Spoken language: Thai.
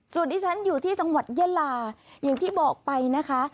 ส่วนที่ฉันอยู่ที่จังหวัดยะลาอย่างที่บอกไปนะคะ